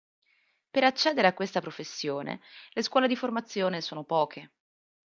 Per accedere a questa professione, le scuole di formazione sono poche.